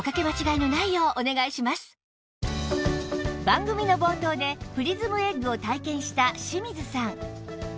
番組の冒頭でプリズムエッグを体験した清水さん